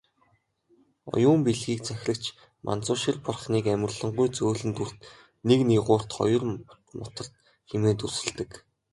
Оюун билгийг захирагч Манзушир бурхныг "амарлингуй зөөлөн дүрт, нэг нигуурт, хоёрт мутарт" хэмээн дүрсэлдэг.